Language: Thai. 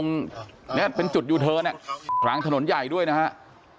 เนี่ยเป็นจุดยูเทิร์นกลางถนนใหญ่ด้วยนะครับ